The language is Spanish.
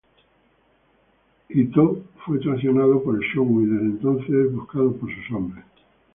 Ittō fue traicionado por el Shogun y desde entonces es buscado por sus hombres.